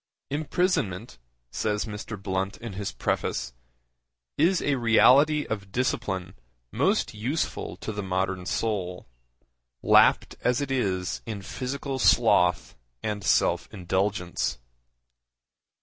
'Imprisonment,' says Mr. Blunt in his preface, 'is a reality of discipline most useful to the modern soul, lapped as it is in physical sloth and self indulgence.